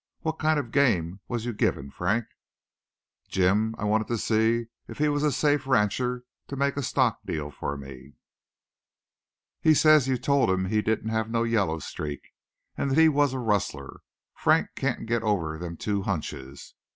What kind of a game was you givin' Frank?" "Jim, I just wanted to see if he was a safe rancher to make a stock deal for me." "He says you told him he didn't have no yellow streak an' that he was a rustler. Frank can't git over them two hunches.